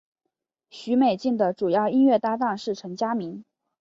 许美静的主要音乐搭档是陈佳明。